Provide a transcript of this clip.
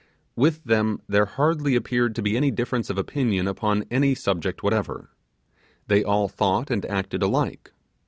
With them there hardly appeared to be any difference of opinion upon any subject whatever. They all thought and acted alike.